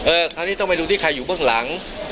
เออคราวนี้ต้องไปดูที่ใครอยู่พกหลัง